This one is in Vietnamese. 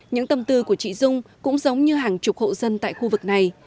những tâm tư của chị dung cũng giống như hàng chục hộ dân tại khu vực này